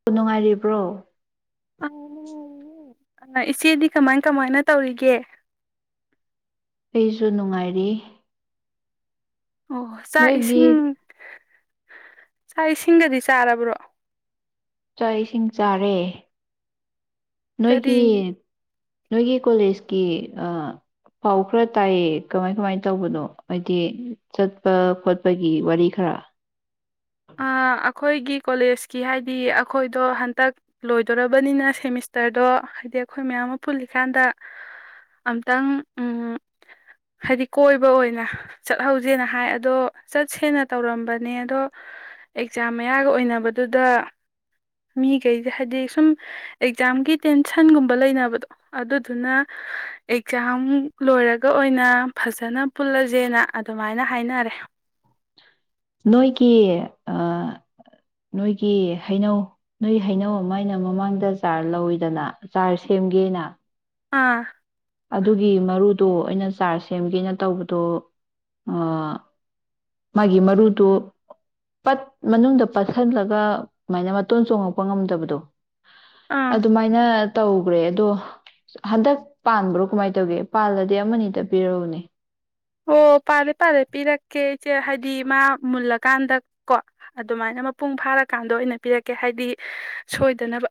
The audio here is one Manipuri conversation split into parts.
ꯑꯣ ꯅꯨꯡꯉꯥꯏꯔꯤꯕ꯭ꯔꯣ ꯑꯥ ꯅꯨꯉꯥꯏꯔꯤꯌꯦ ꯏꯆꯦꯗꯤ ꯀꯃꯥꯏ ꯀꯃꯥꯏꯅ ꯇꯧꯔꯤꯒꯦ ꯑꯩꯁꯨ ꯅꯨꯡꯉꯥꯏꯔꯤ ꯑꯣ ꯆꯥꯛ ꯅꯣꯏꯒꯤ ꯏꯁꯤꯡ ꯆꯥꯛ ꯏꯁꯤꯡꯒꯗꯤ ꯆꯥꯔꯕ꯭ꯔꯣ ꯆꯥꯛ ꯏꯁꯤꯡ ꯆꯥꯔꯦ ꯀꯔꯤ ꯅꯣꯏꯒꯤ ꯅꯣꯏꯒꯤ ꯀꯣꯂꯦꯖꯀꯤ ꯑꯥ ꯄꯥꯎ ꯈꯔ ꯇꯥꯏꯌꯦ ꯀꯃꯥꯏ ꯀꯃꯥꯏ ꯇꯧꯕꯅꯣ ꯍꯥꯏꯗꯤ ꯆꯠꯄ ꯈꯣꯠꯄꯒꯤ ꯋꯥꯔꯤ ꯈꯔ꯫ ꯑꯥ ꯑꯩꯈꯣꯏꯒꯤ ꯀꯣꯂꯦꯖꯀꯤ ꯍꯥꯏꯗꯤ ꯑꯩꯈꯣꯏꯗꯣ ꯍꯟꯇꯛ ꯂꯣꯏꯗꯣꯔꯕꯅꯤꯅ ꯁꯦꯃꯤꯁꯇꯔꯗꯣ ꯍꯥꯏꯗꯤ ꯑꯩꯈꯣꯏ ꯃꯌꯥꯝ ꯑꯃ ꯄꯨꯜꯂꯤꯀꯥꯟꯗ ꯑꯝꯇꯪ ꯍꯥꯏꯗꯤ ꯀꯣꯏꯕ ꯑꯣꯏꯅ ꯆꯠꯍꯧꯁꯦꯅ ꯍꯥꯏ ꯑꯗꯣ ꯆꯠꯁꯦꯅ ꯇꯧꯔꯝꯕꯅꯦ ꯑꯗꯣ ꯑꯦꯛꯖꯥꯝ ꯃꯌꯥꯒ ꯑꯣꯏꯅꯕꯗꯨꯗ ꯃꯤꯈꯩꯁ ꯍꯥꯏꯗꯤ ꯁꯨꯝ ꯑꯦꯛꯖꯥꯝꯒꯤ ꯇꯦꯟꯁꯟꯒꯨꯝꯕ ꯂꯩꯅꯕꯗꯣ ꯑꯗꯨꯗꯨꯅ ꯑꯦꯛꯖꯥꯝ ꯂꯣꯏꯔꯒ ꯑꯣꯏꯅ ꯐꯖꯅ ꯄꯨꯜꯂꯁꯦꯅ ꯑꯗꯨꯃꯥꯏꯅ ꯍꯥꯏꯅꯔꯦ ꯅꯣꯏꯒꯤ ꯑꯥ ꯅꯣꯏꯒꯤ ꯍꯩꯅꯧ ꯅꯣꯏ ꯍꯩꯅꯧ ꯑꯃ ꯑꯩꯅ ꯃꯃꯥꯡꯗ ꯆꯥꯔ ꯂꯧꯏꯗꯅ ꯆꯥꯔ ꯁꯦꯝꯒꯦꯅ ꯑꯥ ꯑꯗꯨꯒꯤ ꯃꯔꯨꯗꯣ ꯑꯩꯅ ꯆꯥꯔ ꯁꯦꯝꯒꯦꯅ ꯇꯧꯕꯗꯣ ꯃꯥꯒꯤ ꯃꯔꯨꯗꯣ ꯄꯠ ꯃꯅꯨꯡꯗ ꯄꯠꯁꯤꯜꯂꯒ ꯑꯗꯨꯃꯥꯏꯅ ꯃꯇꯣꯟ ꯆꯣꯡꯉꯛꯄ ꯉꯝꯗꯕꯗꯣ꯫ ꯑꯥ ꯑꯗꯨꯃꯥꯏꯅ ꯇꯧꯈ꯭ꯔꯦ ꯑꯗꯣ ꯍꯟꯗꯛ ꯄꯥꯟꯕ꯭ꯔꯣ ꯀꯃꯥꯏꯅ ꯇꯧꯒꯦ ꯄꯥꯜꯂꯗꯤ ꯑꯃꯅꯤꯗ ꯄꯤꯔꯛꯎꯅꯦ꯫ ꯑꯣ ꯄꯥꯜꯂꯦꯄꯥꯜꯂꯦ ꯄꯤꯔꯛꯀꯦ ꯑꯩꯆꯦ ꯍꯥꯏꯗꯤ ꯃꯥ ꯃꯨꯜꯂꯀꯥꯟꯗ ꯀꯣ ꯑꯗꯨꯃꯥꯏꯅ ꯃꯄꯨꯡ ꯐꯥꯔꯀꯥꯟꯗ ꯑꯣꯏꯅ ꯄꯤꯔꯛꯀꯦ ꯍꯥꯏꯗꯤ ꯁꯣꯏꯗꯅꯕ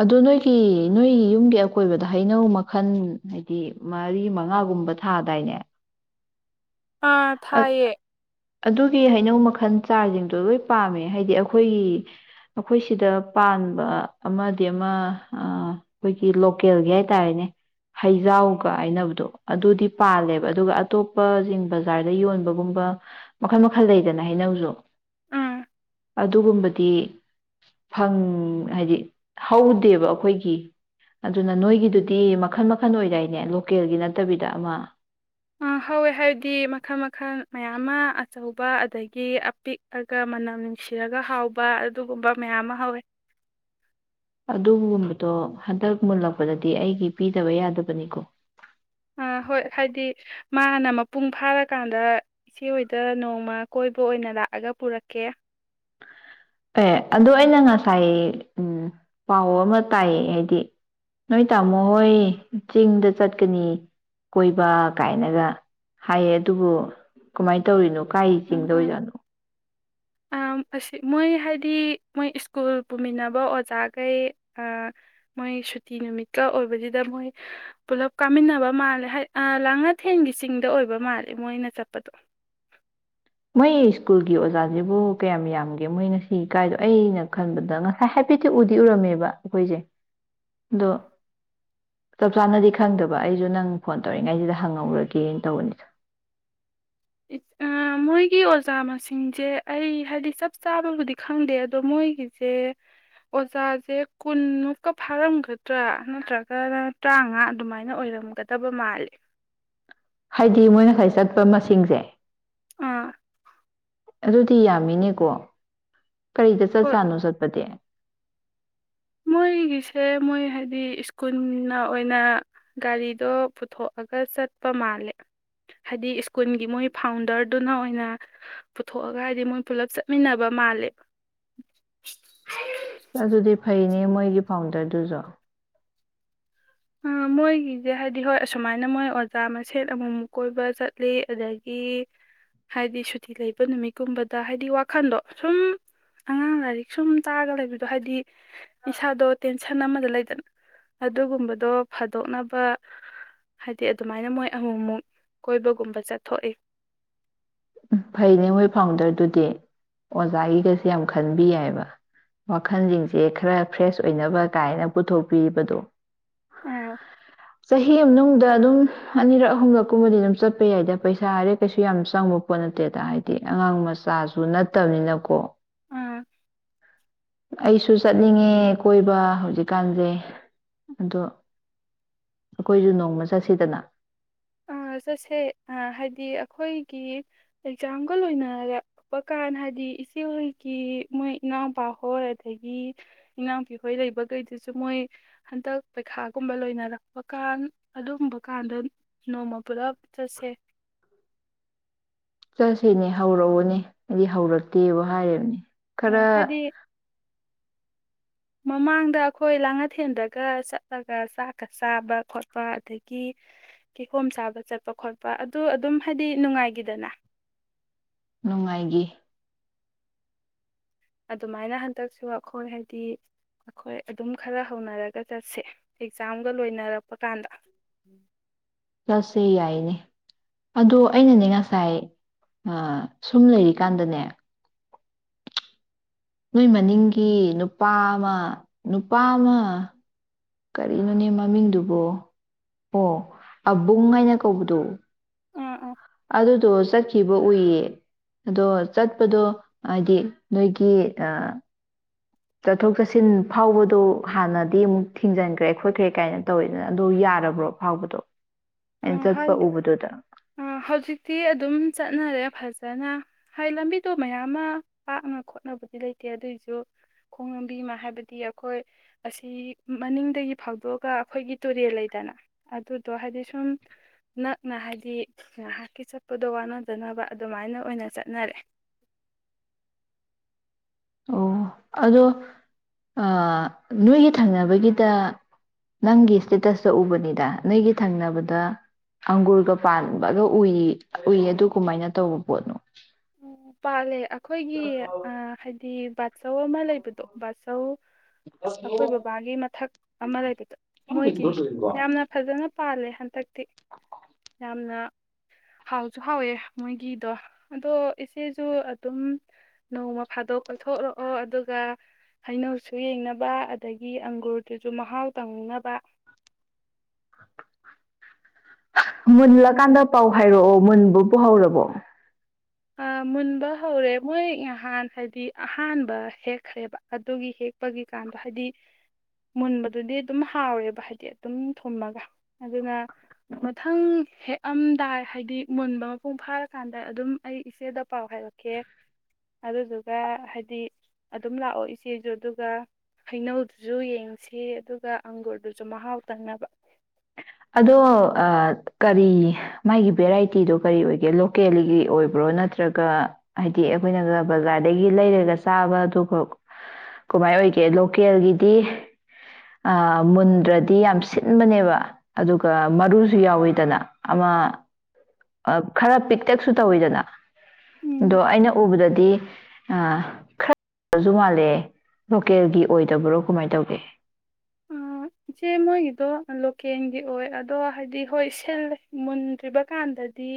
ꯑꯗꯨ ꯅꯣꯏꯒꯤ ꯅꯣꯏꯒꯤ ꯌꯨꯝꯒꯤ ꯑꯀꯣꯏꯕꯗ ꯍꯩꯅꯧ ꯃꯈꯜ ꯍꯥꯏꯗꯤ ꯃꯔꯤ ꯃꯉꯥꯒꯨꯝꯕ ꯊꯥꯗꯥꯏꯅꯦ ꯑꯥ ꯑ ꯊꯥꯏꯌꯦ ꯑꯗꯨꯒꯤ ꯍꯩꯅꯧ ꯃꯈꯜ ꯆꯥꯔꯁꯤꯡꯗꯣ ꯂꯣꯏ ꯄꯥꯝꯃꯦ ꯍꯥꯏꯗꯤ ꯑꯩꯈꯣꯏꯒꯤ ꯑꯩꯈꯣꯏ ꯁꯤꯗ ꯄꯥꯟꯕ ꯑꯃꯗꯤ ꯑꯃ ꯑꯩꯈꯣꯏꯒꯤ ꯂꯣꯀꯦꯜꯒꯤ ꯍꯥꯏꯇꯥꯔꯦꯅꯦ ꯍꯩꯖꯥꯎꯒ ꯍꯥꯏꯅꯕꯗꯣ ꯑꯗꯨꯗꯤ ꯄꯥꯜꯂꯦꯕ ꯑꯗꯨꯒ ꯑꯇꯣꯞꯄ ꯁꯤꯡ꯫ ꯕꯖꯥꯔꯗ ꯌꯣꯟꯕꯒꯨꯝꯕ ꯃꯈꯜ - ꯃꯈꯜ ꯂꯩꯗꯅ ꯍꯥꯏꯩꯅꯧꯁꯨ ꯎꯝ ꯑꯗꯨꯒꯨꯝꯕꯗꯤ ꯐꯪ ꯍꯥꯏꯗꯤ ꯍꯧꯗꯦꯕ ꯑꯩꯈꯣꯏꯒꯤ ꯑꯗꯨꯅ ꯅꯣꯏꯒꯤꯗꯨꯗꯤ ꯃꯈꯜ - ꯃꯈꯜ ꯑꯣꯏꯗꯥꯏꯅꯦ ꯂꯣꯀꯦꯜꯒꯤ ꯅꯠꯇꯕꯤꯗ ꯑꯃ ꯫ ꯑ ꯍꯧꯋꯦ ꯍꯥꯏꯕꯗꯤ ꯃꯈꯜ ꯃꯈꯜ ꯃꯌꯥꯝ ꯑꯃ ꯑꯆꯧꯕ ꯑꯗꯒꯤ ꯑꯄꯤꯛꯑꯒ ꯃꯅꯝ ꯅꯨꯡꯁꯤꯔꯒ ꯍꯥꯎꯕ ꯑꯗꯨꯒꯨꯝꯕ ꯃꯌꯥꯝ ꯑꯃ ꯍꯧꯋꯦ꯫ ꯑꯗꯨꯒꯨꯝꯕꯗꯣ ꯍꯟꯗꯛ ꯃꯨꯜꯂꯛꯄꯗꯗꯤ ꯑꯩꯒꯤ ꯄꯤꯗꯕ ꯌꯥꯗꯕꯅꯤꯀꯣ꯫ ꯑꯥ ꯍꯣꯏ ꯍꯥꯏꯗꯤ ꯃꯥꯅ ꯃꯄꯨꯡ ꯐꯥꯔꯀꯥꯟꯗ ꯏꯆꯦ ꯍꯣꯏꯗ ꯅꯣꯡꯃ ꯀꯣꯏꯕ ꯑꯣꯏꯅ ꯂꯥꯛꯑꯒ ꯄꯨꯔꯛꯀꯦ꯫ ꯑꯦ ꯑꯗꯣ ꯑꯩꯅ ꯉꯁꯥꯏ ꯎꯝ ꯄꯥꯎ ꯑꯃ ꯇꯥꯏꯌꯦ ꯍꯥꯏꯗꯤ ꯅꯣꯏ ꯇꯥꯃꯣ ꯍꯣꯏ ꯆꯤꯡꯗ ꯆꯠꯀꯅꯤ ꯀꯣꯏꯕ ꯀꯥꯏꯅꯒ ꯍꯥꯏꯌꯦ ꯑꯗꯨꯕꯨ ꯀꯃꯥꯏꯅ ꯇꯧꯔꯤꯅꯣ꯫ ꯎꯝ ꯀꯥꯏꯆꯤꯡꯗ ꯎꯝ ꯑꯣꯏꯖꯠꯅꯣ ꯑꯁꯤ ꯃꯣꯏ ꯍꯥꯏꯗꯤ ꯃꯣꯏ ꯁ꯭ꯀꯨꯜ ꯄꯨꯃꯤꯟꯅꯕ ꯑꯣꯖꯥꯈꯩ ꯃꯣꯏ ꯁꯨꯇꯤ ꯅꯨꯃꯤꯠꯀ ꯑꯣꯏꯕꯁꯤꯗ ꯃꯣꯏ ꯄꯨꯂꯞ ꯀꯥꯃꯤꯟꯅꯕ ꯃꯥꯜꯂꯦ ꯂꯥꯡꯉꯊꯦꯟꯒꯤ ꯆꯤꯡꯗ ꯑꯣꯏꯕ ꯃꯥꯜꯂꯦ ꯃꯣꯏꯅ ꯆꯠꯄꯗꯣ꯫ ꯃꯣꯏ ꯁ꯭ꯀꯨꯜꯒꯤ ꯑꯣꯖꯥꯁꯤꯕꯨ ꯀꯌꯥꯝ ꯌꯥꯝꯒꯦ ꯃꯣꯏ ꯉꯁꯤ ꯀꯥꯏꯗꯣ ꯑꯩꯅ ꯈꯟꯕꯗ ꯉꯁꯥꯏ ꯍꯥꯏꯐꯦꯠꯇꯤ ꯎꯗꯤ ꯎꯔꯝꯃꯦꯕ ꯑꯩꯈꯣꯏꯁꯦ ꯑꯗꯣ ꯆꯞ ꯆꯥꯅꯗꯤ ꯈꯪꯗꯕ ꯑꯩꯁꯨ ꯅꯪ ꯐꯣꯟ ꯇꯧꯔꯛꯏꯉꯩꯁꯤꯗ ꯍꯪꯍꯧꯔꯒꯦꯅ ꯇꯧꯕꯅꯤꯗ꯫ ꯑꯥ ꯃꯣꯏꯒꯤ ꯑꯣꯖꯥ ꯃꯁꯤꯡꯁꯦ ꯑꯩ ꯍꯥꯏꯗꯤ ꯆꯞ ꯆꯥꯕꯕꯨꯗꯤ ꯈꯪꯗꯦ ꯑꯗꯣ ꯃꯣꯏꯒꯤꯁꯦ ꯑꯣꯖꯥꯁꯦ ꯀꯨꯟꯃꯨꯛꯀ ꯐꯥꯔꯝꯒꯗ꯭ꯔꯥ ꯅꯠꯇ꯭ꯔꯒꯅ ꯇꯔꯥꯃꯉꯥ ꯑꯗꯨꯃꯥꯏꯅ ꯑꯣꯏꯔꯝꯒꯗꯕ ꯃꯥꯜꯂꯦ꯫ ꯍꯥꯏꯗꯤ ꯃꯣꯏ ꯉꯁꯥꯏ ꯆꯠꯄ ꯃꯁꯤꯡꯁꯦ꯫ ꯑꯥ ꯑꯗꯨꯗꯤ ꯌꯥꯝꯃꯤꯅꯦꯀꯣ꯫ ꯀꯔꯤꯗ ꯆꯠ ꯍꯣꯏ ꯆꯥꯅꯣ ꯆꯠꯄꯗꯤ꯫ ꯃꯣꯏꯒꯤꯁꯦ ꯃꯣꯏ ꯍꯥꯏꯗꯤ ꯁ꯭ꯀꯨꯜꯅ ꯑꯣꯏꯅ ꯒꯥꯔꯤꯗꯣ ꯄꯨꯊꯣꯛꯑꯒ ꯆꯠꯄ ꯃꯥꯜꯂꯦ ꯍꯥꯏꯗꯤ ꯁꯀꯨꯜꯒꯤ ꯃꯣꯏ ꯐꯥꯎꯟꯗꯔꯗꯨꯅ ꯑꯣꯏꯅ ꯄꯨꯊꯣꯛꯑꯒ ꯍꯥꯏꯗꯤ ꯃꯣꯏ ꯄꯨꯂꯞ ꯆꯠꯃꯤꯟꯅꯕ ꯃꯥꯜꯂꯦꯕ꯫ ꯑꯗꯨꯗꯤ ꯐꯥꯏꯅꯦ꯫ ꯅꯦ ꯃꯣꯏꯒꯤ ꯐꯥꯎꯟꯗꯔꯗꯨꯁꯨ ꯑꯥ ꯃꯣꯏꯒꯤꯁꯦ ꯍꯥꯏꯗꯤ ꯍꯣꯏ ꯑꯁꯨꯃꯥꯏꯅ ꯃꯣꯏ ꯑꯣꯖꯥ ꯃꯁꯦꯟꯠ ꯑꯃꯨꯃꯨꯛ ꯀꯣꯏꯕ ꯆꯠꯂꯤ ꯑꯗꯒꯤ ꯍꯥꯏꯗꯤ ꯁꯨꯇꯤ ꯂꯩꯕ ꯅꯨꯃꯤꯠꯀꯨꯝꯕꯗ ꯍꯥꯏꯗꯤ ꯋꯥꯈꯜꯗꯣ ꯁꯨꯝ ꯑꯉꯥꯡ ꯂꯥꯏꯔꯤꯛ ꯁꯨꯝ ꯇꯥꯔꯒ ꯂꯩꯕꯗꯣ ꯍꯥꯏꯗꯤ ꯏꯁꯥꯗꯣ ꯇꯦꯟꯁꯟ ꯑꯃꯗ ꯂꯩꯗꯅ ꯑꯗꯨꯒꯨꯝꯕ꯫ ꯑꯗꯣ ꯐꯥꯗꯣꯛꯅꯕ ꯍꯥꯏꯗꯤ ꯑꯗꯨꯃꯥꯏꯅ ꯃꯣꯏ ꯑꯃꯨꯛꯃꯨꯛ ꯀꯣꯏꯕꯒꯨꯝꯕ ꯆꯠꯊꯣꯛꯏ ꯎ ꯐꯩꯅꯦ ꯍꯣꯏ ꯐꯥꯎꯟꯗꯔꯗꯨꯗꯤ ꯑꯣꯖꯥꯒꯤꯒꯁꯦ ꯌꯥꯝ ꯈꯟꯕꯤ ꯌꯥꯏꯕ ꯋꯥꯈꯜꯁꯤꯡꯁꯦ ꯈꯔ ꯐ꯭ꯔꯦꯁ ꯑꯣꯏꯅꯕ ꯀꯥꯏꯅ ꯄꯨꯊꯣꯛꯄꯤꯕꯗꯣ꯫ ꯑꯥ ꯆꯍꯤ ꯑꯝ ꯅꯨꯡ ꯗ ꯑꯗꯨꯝ ꯑꯅꯤꯔꯛ ꯑꯍꯨꯝꯂꯛꯀꯨꯝꯕꯗꯤ ꯑꯗꯨꯝ ꯆꯠꯄ ꯌꯥꯏꯗ ꯄꯩꯁꯥ ꯍꯥꯏꯔꯦ ꯀꯩꯁꯨ ꯌꯥꯝ ꯆꯪꯕ ꯄꯣꯠ ꯅꯠꯇꯦꯗ ꯍꯥꯏꯗꯤ ꯑꯉꯥꯡ ꯃꯆꯥꯁꯨ ꯅꯠꯇꯝꯅꯤꯅ ꯀꯣ ꯑꯥ ꯑꯩꯁꯨ ꯆꯠꯅꯤꯡꯉꯦ ꯀꯣꯏꯕ ꯍꯧꯖꯤꯛꯀꯥꯟꯖꯦ ꯑꯗꯣ ꯑꯈꯣꯏꯖꯨ ꯅꯣꯡꯃ ꯆꯠꯁꯤꯗꯅ ꯑ ꯆꯠꯁꯦ ꯑ ꯍꯥꯏꯗꯤ ꯑꯈꯣꯏꯒꯤ ꯑꯦꯛꯖꯥꯝꯒ ꯂꯣꯏꯅꯔꯛꯄ ꯀꯥꯟ ꯍꯥꯏꯗꯤ ꯏꯆꯦꯍꯣꯏꯒꯤ ꯃꯣꯏ ꯏꯅꯥꯎꯄꯥ ꯍꯣꯏ ꯑꯗꯒꯤ ꯏꯅꯥꯎꯄꯤ ꯍꯣꯏ ꯂꯩꯕꯒꯩꯗꯨꯖꯨ ꯃꯣꯏ ꯍꯟꯗꯛ ꯄꯩꯈꯥꯒꯨꯝꯕ ꯂꯣꯏꯅꯔꯛꯄ ꯀꯥꯟ ꯑꯗꯨꯝꯕ ꯀꯥꯟꯗ ꯅꯣꯡꯃ ꯄꯨꯂꯞ ꯆꯁꯦ ꯆꯠꯁꯤꯅꯦ ꯍꯧꯔꯛꯎꯅꯦ ꯑꯩꯗꯤ ꯍꯧꯔꯛꯇꯦꯕꯨ ꯍꯥꯏꯔꯤꯝꯅꯤ ꯑ ꯍꯥꯏꯗꯤ ꯃꯃꯥꯡꯗ ꯑꯈꯣꯏ ꯂꯥꯡꯉꯊꯦꯟꯗꯒ ꯆꯠꯂꯒ ꯆꯥꯛꯀ ꯆꯥꯕ ꯈꯣꯠꯄ ꯑꯗꯒꯤ ꯀꯤꯍꯣꯝ ꯁꯥꯕ ꯆꯠꯄ ꯈꯣꯠꯄ ꯑꯗꯨ ꯑꯗꯨꯝ ꯍꯥꯏꯗꯤ ꯅꯨꯡꯉꯥꯏꯒꯤꯗꯅ ꯅꯨꯡꯉꯥꯏꯒꯤ ꯑꯗꯨꯃꯥꯏꯅ ꯍꯟꯗꯛꯁꯨ ꯑꯈꯣꯏ ꯍꯥꯏꯗꯤ ꯑꯈꯣꯏ ꯑꯗꯨꯝ ꯈꯔ ꯍꯧꯅꯔꯒ ꯆꯠꯁꯦ ꯑꯦꯛꯖꯥꯝꯒ ꯂꯣꯏꯅꯔꯛꯄ ꯀꯥꯟꯗ ꯆꯠꯁꯦ ꯌꯥꯏꯅꯦ ꯑꯗꯣ ꯑꯩꯅꯅꯦ ꯉꯁꯥꯏ ꯑ ꯁꯨꯝ ꯂꯩꯔꯤꯀꯥꯟꯗꯅꯦ ꯅꯣꯏ ꯃꯅꯤꯡꯒꯤ ꯅꯨꯄꯥ ꯑꯃ ꯅꯨꯄꯥ ꯑꯃ ꯀꯔꯤꯅꯣꯅꯦ ꯃꯃꯤꯡꯗꯨꯕꯣ ꯑꯣ ꯑꯕꯨꯡ ꯍꯥꯏꯅ ꯀꯧꯕꯗꯣ ꯎꯝ ꯎꯝ ꯑꯗꯨꯗꯣ ꯆꯠꯈꯤꯕ ꯎꯏꯌꯦ ꯑꯗꯣ ꯆꯠꯄꯗꯣ ꯍꯥꯏꯗꯤ ꯅꯣꯏꯒꯤ ꯑ ꯆꯠꯊꯣꯛ ꯆꯠꯁꯤꯟ ꯐꯥꯎꯕꯗꯣ ꯍꯥꯟꯅꯗꯤ ꯑꯃꯨꯛ ꯊꯤꯡꯖꯟꯈ꯭ꯔꯦ ꯈꯣꯠꯈ꯭ꯔꯦ ꯀꯥꯏꯅ ꯇꯧꯌꯤꯗꯅ ꯑꯗꯣ ꯌꯥꯔꯕ꯭ꯔꯣ ꯐꯥꯎꯕꯗꯣ ꯑꯩꯅ ꯑꯥ ꯆꯠꯄ ꯍꯥꯏꯗꯤ ꯎꯕꯗꯨꯗ ꯑ ꯍꯧꯖꯤꯛꯇꯤ ꯑꯗꯨꯝ ꯆꯠꯅꯔꯦ ꯐꯖꯅ ꯍꯥꯏ ꯂꯝꯕꯤꯗꯣ ꯃꯌꯥꯝ ꯑꯃ ꯄꯥꯛꯅ ꯈꯣꯠꯅꯕꯗꯤ ꯂꯩꯇꯦ ꯑꯗꯨꯏꯖꯨ ꯈꯣꯡ ꯂꯝꯕꯤ ꯑꯃ ꯍꯥꯏꯕꯗꯤ ꯑꯈꯣꯏ ꯑꯁꯤ ꯃꯅꯤꯡꯗꯒꯤ ꯐꯥꯎꯗꯣꯛꯑꯒ ꯑꯈꯣꯏꯒꯤ ꯇꯨꯔꯦꯜ ꯂꯩꯗꯅ ꯑꯗꯨꯗꯣ ꯍꯥꯏꯗꯤ ꯁ ꯁꯨꯝ ꯅꯠꯅ ꯍꯥꯏꯗꯤ ꯉꯥꯏꯍꯥꯛꯀꯤ ꯆꯠꯄꯗꯣ ꯋꯥꯅꯗꯅꯕ ꯑꯗꯨꯃꯥꯏꯅ ꯑꯣꯏꯅ ꯆꯠꯅꯔꯦ ꯑꯣ ꯑꯗꯣ ꯑ ꯅꯣꯏꯒꯤ ꯊꯪꯅꯕꯒꯤꯗ ꯅꯪꯒꯤ ꯏꯁꯇꯦꯇꯁꯇ ꯎꯕꯅꯤꯗ ꯅꯣꯏꯒꯤ ꯊꯪꯅꯕꯗ ꯑꯪꯒꯨꯔꯒ ꯄꯥꯟꯕꯒ ꯎꯏ ꯎꯏ ꯑꯗꯨ ꯀꯨꯃꯥꯏꯅ ꯇꯧꯕ ꯄꯣꯠꯅꯣ ꯎꯝ ꯄꯥꯂꯦ ꯑ ꯈꯣꯏꯒꯤ ꯑ ꯍꯥꯏꯗꯤ ꯕꯥꯠꯆꯧ ꯑꯃ ꯂꯩꯕꯗꯣ ꯕꯥꯠꯆꯧ ꯑꯈꯣꯏ ꯕꯕꯥꯒꯤ ꯃꯊꯛ ꯑꯃ ꯂꯩꯕꯗꯣ ꯃꯣꯏꯒꯤꯟ ꯌꯥꯝꯅ ꯐꯖꯅ ꯄꯥꯜꯂꯦ ꯍꯟꯇꯛꯇꯤ ꯌꯥꯝꯅ ꯍꯥꯎꯖꯨ ꯍꯥꯎꯌꯦ ꯃꯣꯏꯒꯤꯗꯣ ꯑꯗꯣ ꯏꯆꯦꯖꯨ ꯑꯗꯨꯝ ꯅꯣꯡꯃ ꯐꯥꯗꯣꯛ ꯀꯣꯏꯊꯣꯛꯔꯣꯛꯑꯣ ꯑꯗꯨꯒ ꯍꯩꯅꯧꯁꯨ ꯌꯦꯡꯅꯕ ꯑꯗꯒꯤ ꯑꯪꯒꯨꯔꯗꯨꯁꯨ ꯃꯍꯥꯎ ꯇꯪꯅꯕ ꯍ ꯃꯨꯜꯂꯀꯥꯟꯗ ꯄꯥꯎ ꯍꯥꯏꯔꯣꯛꯑꯣ ꯃꯨꯟꯕꯕꯨ ꯍꯧꯔꯕꯣ ꯑ ꯃꯨꯟꯕ ꯍꯧꯔꯦ ꯃꯣꯏ ꯉꯍꯥꯟ ꯍꯥꯏꯗꯤ ꯑꯍꯥꯟꯕ ꯍꯦꯛꯈ꯭ꯔꯦꯕ ꯑꯗꯨꯒꯤ ꯍꯦꯛꯄꯒꯤꯀꯥꯟꯗ ꯍꯥꯏꯗꯤ ꯃꯨꯟꯕꯗꯨꯗꯤ ꯑꯗꯨꯝ ꯍꯥꯎꯋꯦꯕ ꯍꯥꯏꯗꯤ ꯑꯗꯨꯝ ꯊꯨꯝꯃꯒ ꯑꯗꯨꯅ ꯃꯊꯪ ꯍꯦꯛꯑꯝꯗꯥꯏ ꯍꯥꯏꯗꯤ ꯃꯨꯟꯕ ꯃꯄꯨꯡ ꯐꯥꯔꯀꯥꯟꯗ ꯑꯗꯨꯝ ꯑꯩ ꯏꯆꯦꯗ ꯄꯥꯎ ꯍꯥꯏꯔꯛꯀꯦ ꯑꯗꯨꯗꯨꯒ ꯍꯥꯏꯗꯤ ꯑꯗꯨꯝ ꯂꯥꯛꯑꯣ ꯏꯆꯦꯖꯨ ꯑꯗꯨꯒ ꯍꯩꯅꯧꯗꯨꯖꯨ ꯌꯦꯡꯁꯦ ꯑꯗꯨꯒ ꯑꯪꯒꯨꯔꯗꯨꯖꯨ ꯃꯍꯥꯎ ꯇꯪꯅꯕ ꯑꯗꯣ ꯑ ꯀꯔꯤ ꯃꯥꯒꯤ ꯚꯦꯔꯥꯏꯇꯤꯗꯣ ꯀꯔꯤ ꯑꯣꯏꯒꯦ ꯂꯣꯀꯦꯜꯒꯤ ꯑꯣꯏꯕ꯭ꯔꯣ ꯅꯠꯇ꯭ꯔꯒ ꯍꯥꯏꯗꯤ ꯑꯈꯣꯏꯅꯒ ꯕꯖꯥꯔꯗꯒꯤ ꯂꯩꯔꯒ ꯆꯥꯕ ꯑꯗꯨꯒ ꯍ ꯀꯃꯥꯏ ꯑꯣꯏꯒꯦ ꯂꯣꯀꯦꯜꯒꯤꯗꯤ ꯑ ꯃꯨꯟꯗ꯭ꯔꯗꯤ ꯌꯥꯝ ꯁꯤꯟꯕꯅꯦꯕ ꯑꯗꯨꯒ ꯃꯔꯨꯖꯨ ꯌꯥꯎꯋꯤꯗꯅ ꯑꯃ ꯑ ꯈꯔ ꯄꯤꯛꯇꯛꯁꯨ ꯇꯧꯌꯤꯗꯅ ꯎꯝ ꯑꯗꯣ ꯑꯩꯅ ꯎꯕꯗꯗꯤ ꯑ ꯈꯠ ꯔꯖꯨ ꯃꯥꯜꯂꯦ ꯂꯣꯀꯦꯜꯒꯤ ꯑꯣꯏꯗꯕ꯭ꯔꯣ ꯀꯨꯃꯥꯏ ꯇꯧꯒꯦ ꯎꯝ ꯏꯆꯦ ꯃꯣꯏꯒꯤꯗꯣ ꯂꯣꯀꯦꯜꯒꯤ ꯑꯣꯏ ꯑꯗꯣ ꯍꯥꯏꯗꯤ ꯍꯣꯏ ꯁꯤꯜꯂꯦ ꯃꯨꯟꯗ꯭ꯔꯤꯕ ꯀꯥꯟꯗꯗꯤ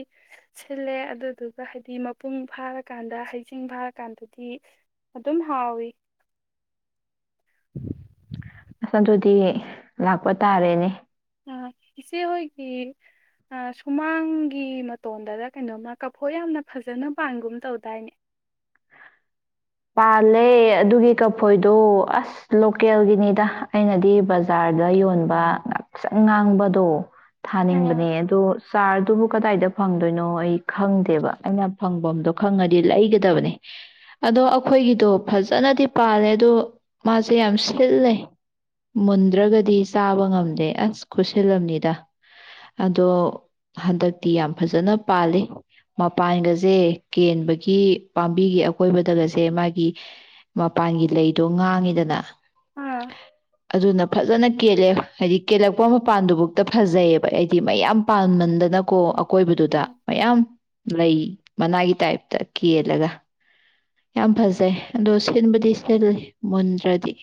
ꯁꯤꯜꯂꯦ ꯑꯗꯨꯗꯨꯒ ꯍꯥꯏꯗꯤ ꯃꯄꯨꯡ ꯐꯥꯔꯀꯥꯟꯗ ꯍꯩꯖꯤꯡ ꯐꯥꯔꯀꯥꯟꯗꯗꯤ ꯑꯗꯨꯝ ꯍꯥꯎꯋꯤ꯫ ꯑꯁ ꯑꯗꯨꯗꯤ ꯂꯥꯛꯄ ꯇꯥꯔꯦꯅꯦ ꯑ ꯏꯆꯦꯍꯣꯏꯒꯤ ꯑ ꯁꯨꯃꯥꯡꯒꯤ ꯃꯇꯣꯟꯗꯔ ꯀꯩꯅꯣꯝꯃ ꯀꯐꯣꯏ ꯌꯥꯝꯅ ꯐꯖꯅ ꯄꯥꯟꯒꯨꯝ ꯇꯧꯗꯥꯏꯅꯦ? ꯄꯥꯜꯂꯦ ꯑꯗꯨꯒꯤ ꯀꯐꯣꯏꯗꯣ ꯑꯁ ꯂꯣꯀꯦꯜꯒꯤꯅꯤꯗ ꯑꯩꯅꯗꯤ ꯕꯖꯥꯔꯗ ꯌꯣꯟꯕ ꯉꯛꯁꯪ ꯉꯥꯡꯕꯗꯣ ꯑ ꯊꯥꯅꯤꯡꯕꯅꯦ ꯑꯗꯣ ꯆꯔꯗꯨꯕꯨꯨꯛ ꯀꯗꯥꯏꯗ ꯐꯪꯗꯣꯏꯅꯣ ꯑꯩ ꯈꯪꯗꯦꯕ ꯑꯩꯅ ꯐꯪꯕꯝꯗꯣ ꯈꯪꯉꯗꯤ ꯂꯩꯒꯗꯕꯅꯦ ꯑꯗꯣ ꯑ ꯈꯣꯏꯒꯤꯗꯣ ꯐꯖꯅꯗꯤ ꯄꯥꯜꯂꯦ ꯑꯗꯣ ꯃꯥꯖꯦ ꯌꯥꯝ ꯁꯤꯜꯂꯦ ꯃꯨꯟꯗ꯭ꯔꯒꯗꯤ ꯆꯥꯕ ꯉꯝꯗꯦ ꯑꯁ ꯈꯨꯠꯁꯤꯜꯂꯝꯅꯤꯗ ꯑꯗꯣ ꯍꯟꯗꯛꯇꯤ ꯌꯥꯝ ꯐꯖꯅ ꯄꯥꯜꯂꯤ ꯃꯄꯥꯟꯒꯖꯦ ꯀꯦꯟꯕꯒꯤ ꯄꯥꯝꯕꯤꯒꯤ ꯑꯀꯣꯏꯕꯗꯒ ꯁꯦ ꯃꯥꯒꯤ ꯃꯄꯥꯟꯒꯤ ꯂꯩꯗꯣ ꯉꯥꯡꯉꯤꯗꯅ ꯑꯥ ꯑꯗꯨꯅ ꯐꯖꯅ ꯀꯦꯜꯂꯦ ꯍꯥꯏꯗꯤ ꯀꯦꯜꯂꯛꯄ ꯃꯄꯥꯟꯗꯨꯕꯨꯛꯇ ꯐꯖꯩꯌꯦꯕ ꯑꯩꯗꯤ ꯃꯌꯥꯝ ꯄꯜꯃꯟꯗꯅꯀꯣ ꯑꯀꯣꯏꯕꯗꯨꯗ ꯎꯝ ꯃꯌꯥꯝ ꯂꯩ ꯃꯅꯥꯒꯤ ꯇꯥꯏꯞꯇ ꯀꯦꯜꯂꯒ ꯌꯥꯝ ꯐꯖꯩ ꯑꯗꯣ ꯁꯤꯟꯕꯗꯤ ꯁꯤꯜꯂꯤ ꯃꯨꯟꯗ꯭ꯔꯗꯤ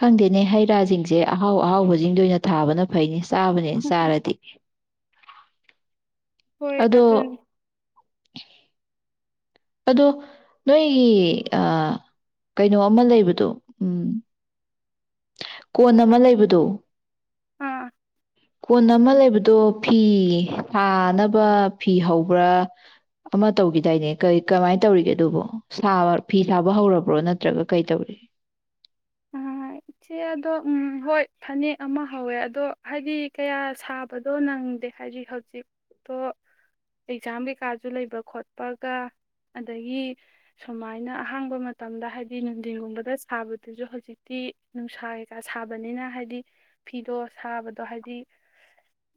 ꯈꯪꯗꯦꯅꯦ ꯍꯩ ꯔꯥꯖꯤꯡꯖꯦ ꯑꯍꯥꯎ ꯑꯍꯥꯎꯕꯖꯤꯡꯗ ꯑꯣꯏꯅ ꯊꯥꯕꯅ ꯐꯩꯅꯦ ꯆꯥꯕꯅꯦ ꯆꯥꯔꯗꯤ ꯍꯣꯏ ꯑꯗꯣ ꯑꯗꯨꯅꯤ ꯑꯗꯣ ꯅꯣꯏꯒꯤ ꯀꯩꯅꯣ ꯑꯃ ꯂꯩꯕꯗꯣ ꯎꯝ ꯀꯣꯟ ꯑꯃ ꯂꯩꯕꯗꯨ ꯑꯥꯝ ꯀꯣꯟ ꯑꯃ ꯂꯩꯕꯗꯣ ꯐꯤ ꯁꯥꯅꯕ ꯐꯤ ꯍꯧꯕ꯭ꯔꯥ ꯑꯃ ꯇꯧꯈꯤꯗꯥꯏꯅꯦ ꯀꯔꯤ ꯀꯃꯥꯏꯅ ꯇꯧꯔꯤꯒꯦ ꯑꯗꯨꯕꯣ ꯁꯥꯕ ꯐꯤ ꯁꯥꯕ ꯍꯧꯔꯕ꯭ꯔꯣ ꯅꯠꯇ꯭ꯔꯒ ꯀꯩ ꯇꯧꯔꯤ ꯑꯥ ꯏꯆꯦ ꯑꯗꯣ ꯎꯝ ꯍꯣꯏ ꯐꯅꯦꯛ ꯑꯃ ꯍꯧꯋꯦ ꯑꯗꯣ ꯍꯥꯏꯗꯤ ꯀꯌꯥ ꯁꯥꯕꯗꯣ ꯅꯪꯗꯦ ꯍꯥꯏꯗꯤ ꯍꯧꯖꯤꯛꯇꯣ ꯑꯦꯛꯖꯥꯝ ꯀꯩꯀꯥꯁꯨ ꯂꯩꯕ ꯈꯣꯠꯄꯒ ꯑꯗꯒꯤ ꯁꯨꯃꯥꯏꯅ ꯑꯍꯥꯡꯕ ꯃꯇꯝꯗ ꯍꯥꯏꯗꯤ ꯅꯨꯡꯊꯤꯟꯒꯨꯝꯕꯗ ꯁꯥꯕꯗ ꯑꯗꯨꯁꯨ ꯍꯧꯖꯤꯛꯇꯤ ꯅꯨꯡꯁꯥ ꯀꯩꯀꯥ ꯁꯥꯕꯅꯤꯅ ꯍꯥꯏꯗꯤ ꯐꯤꯗꯣ ꯁꯥꯕꯗꯣ ꯍꯥꯏꯗꯤ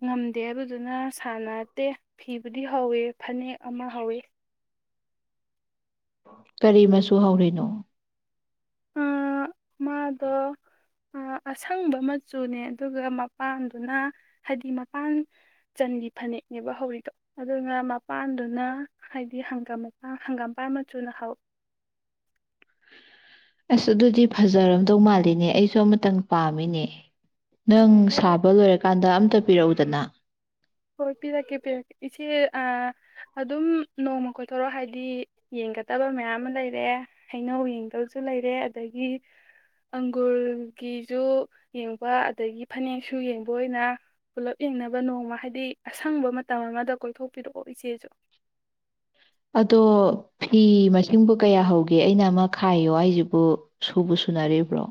ꯉꯝꯗꯦ ꯑꯗꯨꯗꯨꯅ ꯁꯥꯟꯅꯠꯇꯦ ꯐꯤꯕꯨꯗꯤ ꯍꯧꯋꯦ ꯐꯅꯦꯛ ꯑꯃ ꯍꯧꯋꯤ ꯀꯔꯤ ꯃꯁꯨ ꯍꯧꯔꯤꯅꯣ ꯃꯥꯗꯣ ꯑꯁꯪꯕ ꯃꯆꯨꯅꯦ ꯑꯗꯨꯒ ꯃꯄꯥꯟꯗꯨꯅ ꯍꯥꯏꯗꯤ ꯃꯄꯥꯟ ꯆꯟꯒꯤ ꯐꯅꯦꯛꯅꯦꯕ ꯍꯧꯔꯤꯗꯣ ꯑꯗꯨꯒ ꯃꯄꯥꯟꯗꯨꯅ ꯍꯥꯏꯗꯤ ꯍꯪꯒꯥꯝ ꯃꯄ ꯍꯪꯒꯥꯝꯄꯥꯥꯟ ꯃꯆꯨꯅ ꯍꯧꯋ ꯑꯁ ꯑꯗꯨꯗꯤ ꯐꯖꯔꯝꯗꯧ ꯃꯥꯜꯂꯤꯅꯦ ꯑꯩꯁꯨ ꯑꯃꯇꯪ ꯄꯥꯝꯃꯤꯅꯦ ꯅꯪ ꯍꯣꯏ ꯁꯥꯕ ꯂꯣꯏꯔꯀꯥꯟꯗ ꯑꯝꯇ ꯄꯤꯔꯛꯎꯗꯅ ꯍꯣꯏ ꯄꯤꯔꯛꯀꯦ ꯄꯤꯔꯛꯀꯦ ꯏꯆꯦ ꯑꯗꯨꯝ ꯅꯣꯡꯃ ꯀꯣꯏꯊꯣꯔꯣ ꯍꯥꯏꯗꯤ ꯌꯦꯡꯒꯗꯕ ꯃꯌꯥꯝ ꯑꯃ ꯂꯩꯔꯑꯦ ꯍꯩꯅꯧ ꯌꯦꯡꯗꯕꯁꯨ ꯂꯩꯔꯦ ꯑꯗꯒꯤ ꯑꯪꯒꯨꯔꯒꯤꯁꯨ ꯌꯦꯡꯕ ꯑꯗꯒꯤ ꯐꯅꯦꯛꯁꯨ ꯌꯦꯡꯕ ꯑꯣꯏꯅ ꯄꯨꯂꯞ ꯌꯦꯡꯅꯕ ꯅꯣꯡꯃ ꯍꯥꯏꯗꯤ ꯗꯤ ꯑꯁꯪꯕ ꯃꯇꯝ ꯑꯃꯗ ꯀꯣꯏꯊꯣꯛꯄꯤꯔꯛꯑꯣ ꯏꯆꯦꯁꯨ ꯑꯗꯣ ꯐꯤ ꯃꯁꯤꯡꯕꯨ ꯀꯌꯥ ꯍꯧꯒꯦ ꯑꯩꯅ ꯑꯃ ꯈꯥꯏꯌꯣ ꯑꯩꯁꯤꯕꯨ ꯁꯨꯕ ꯁꯨꯅꯔꯤꯕ꯭ꯔꯣ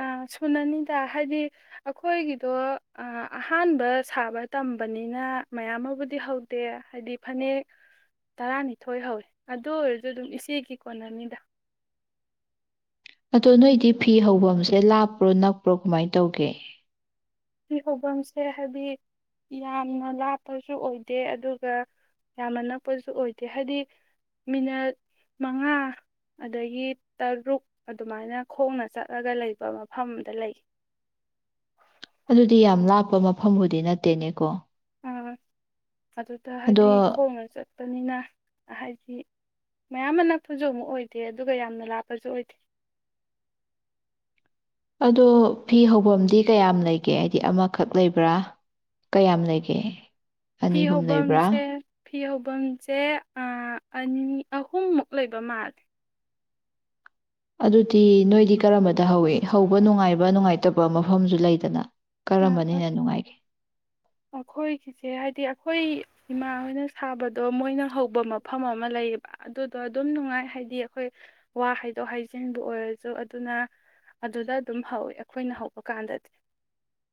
ꯑ ꯁꯨꯅꯅꯤꯗ ꯍꯥꯏꯗꯤ ꯑꯩꯈꯣꯏꯒꯤꯗꯣ ꯑꯍꯥꯟꯕ ꯁꯥꯕ ꯇꯝꯕꯅꯤꯅ ꯃꯌꯥꯝ ꯑꯃꯕꯨꯗꯤ ꯍꯧꯗꯦ ꯍꯥꯏꯗꯤ ꯐꯅꯦꯛ ꯇꯔꯥꯅꯤꯊꯣꯏ ꯍꯧꯋꯦ ꯑꯗꯨ ꯑꯣꯏꯔꯁꯨ ꯑꯗꯨꯝ ꯏꯆꯦꯒꯤ ꯀꯣꯟꯅꯅꯤꯗ ꯑꯗꯣ ꯅꯣꯏꯗꯤ ꯐꯤ ꯍꯐꯝꯁꯦ ꯂꯥꯞꯄ꯭ꯔꯣ ꯅꯛꯄ꯭ꯔꯣ ꯀꯃꯥꯏꯅ ꯇꯧꯒꯦ ꯁꯤ ꯍꯧꯐꯝꯁꯦ ꯍꯥꯏꯗꯤ ꯌꯥꯝꯅ ꯂꯥꯞꯄꯁꯨ ꯑꯣꯏꯗꯦ ꯑꯗꯨꯒ ꯌꯥꯝꯅ ꯅꯛꯄꯁꯨ ꯑꯣꯏꯗꯦ ꯍꯥꯏꯗꯤ ꯃꯤꯅꯠ ꯃꯉꯥ ꯑꯗꯒꯤ ꯇꯔꯨꯛ ꯑꯗꯨꯃꯥꯏꯅ ꯈꯣꯡꯅ ꯆꯠꯂꯒ ꯂꯩꯕ ꯃꯐꯝꯗ ꯂꯩ ꯑꯗꯨꯗꯤ ꯌꯥꯝ ꯂꯥꯞꯄ ꯃꯐꯝꯕꯨꯗꯤ ꯅꯠꯇꯦꯅꯦꯀꯣ ꯑꯥ ꯑꯗꯨꯗ ꯑꯗꯣ ꯍꯥꯏꯗꯤ ꯈꯣꯡꯉ ꯆꯠ ꯅꯛꯄꯅꯤꯅ ꯍꯥꯏꯗꯤ ꯃꯌꯥꯝ ꯑꯃ ꯅꯛꯄꯁꯨ ꯑꯃꯨꯛ ꯑꯣꯏꯗꯦ ꯑꯗꯨꯒ ꯌꯥꯝꯅ ꯂꯥꯞꯄꯁꯨ ꯑꯣꯏꯗꯦ ꯑꯗꯣ ꯐꯤ ꯍꯐꯝꯗꯤ ꯀꯌꯥꯝ ꯂꯩꯒꯦ ꯍꯥꯏꯗꯤ ꯑꯃꯈꯛ ꯂꯩꯕ꯭ꯔꯥ ꯀꯌꯥꯝ ꯂꯩꯒꯦ ꯐꯤ ꯑꯅꯤꯍꯨꯝ ꯂꯩꯕ꯭ꯔꯥ ꯍꯧꯐꯝꯁꯦ ꯐꯤ ꯍꯐꯝꯁꯦ ꯑꯅꯤ ꯑꯍꯨꯝꯃꯨꯛ ꯂꯩꯕ ꯃꯥꯜꯂꯦ ꯑꯗꯨꯗꯤ ꯅꯣꯏꯗꯤ ꯀꯔꯝꯕꯗ ꯍꯧꯋꯏ ꯍꯧꯕ ꯅꯨꯡꯉꯥꯏꯕ ꯅꯨꯡꯉꯥꯏꯇꯕ ꯃꯐꯝꯁꯨ ꯂꯩꯗꯅ ꯀꯔꯝꯕꯅꯤꯅ ꯅꯨꯡꯉꯥꯏꯒꯦ ꯑꯩꯈꯣꯏꯒꯤꯁꯦ ꯍꯥꯏꯗꯤ ꯑꯩꯈꯣꯏ ꯏꯃꯥ ꯍꯣꯏꯅ ꯁꯥꯕꯗꯣ ꯃꯣꯏꯅ ꯍꯧꯕ ꯃꯐꯝ ꯑꯃ ꯂꯩꯌꯦꯕ ꯑꯗꯨꯗꯣ ꯑꯗꯨꯝ ꯅꯨꯡꯉꯥꯏ ꯍꯥꯏꯗꯤ ꯑꯩꯈꯣꯏ ꯋꯥ ꯍꯥꯏꯗꯣꯛ ꯍꯥꯏꯖꯤꯟꯕꯨ ꯑꯣꯏꯔꯁꯨ ꯑꯗꯨꯅ ꯑꯗꯨꯗ ꯑꯗꯨꯝ ꯍꯧꯋꯤ ꯑꯩꯈꯣꯏꯅ ꯍꯧꯕ ꯀꯥꯟꯗꯗꯤ